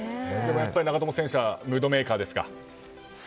やっぱり長友選手はムードメーカーですか。